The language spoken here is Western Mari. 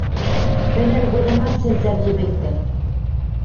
Пӹлӓн годымат сӹнзӓм йӹмӹктӓ…